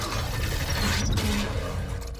感嘆